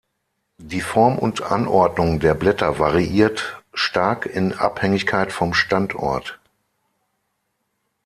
Die Form und Anordnung der Blätter variiert stark in Abhängigkeit vom Standort.